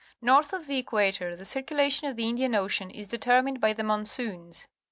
North of the equator the circu lation of thelndian Ocean is determined by the monsoons.